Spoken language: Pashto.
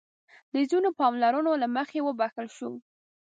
د ځينو پاملرنو له مخې وبښل شو.